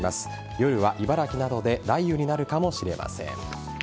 夜は茨城などで雷雨になるかもしれません。